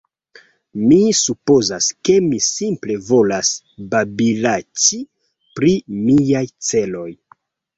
Mi supozas, ke mi simple volas babilaĉi pri miaj celoj.